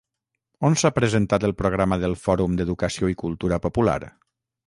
On s'ha presentat el programa del Fòrum d'Educació i Cultura Popular?